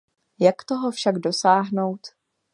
Jak toho však dosáhnout?